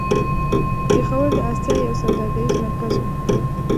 پېښور د آسيا يو سوداګريز مرکز و.